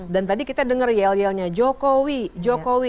dan tadi kita dengar yel yelnya jokowi jokowi